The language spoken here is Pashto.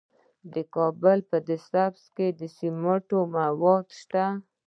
د کابل په ده سبز کې د سمنټو مواد شته.